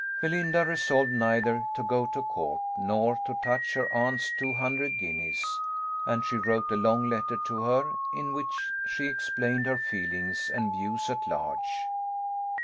Belinda resolved neither to go to court, nor to touch her aunt's two hundred guineas; and she wrote a long letter to her, in which she explained her feelings and views at large.